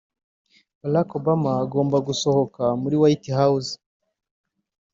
Barack Obama agomba gusohoka muri White House